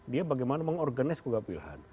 dia bagaimana mengorganisasi konggap wilhan